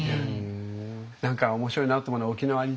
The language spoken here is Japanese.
何か面白いなと思うのは沖縄に行ってね